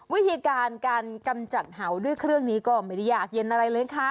วิธีการการกำจัดเห่าด้วยเครื่องนี้ก็ไม่ได้อยากเย็นอะไรเลยค่ะ